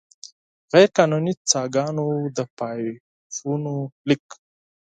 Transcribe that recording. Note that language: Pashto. غیرقانوني څاګانو، د پایپونو لیک.